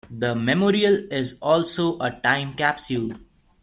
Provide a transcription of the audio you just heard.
The memorial is also a time capsule.